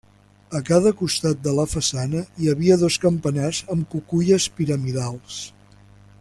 A cada costat de la façana hi havia dos campanars amb cuculles piramidals.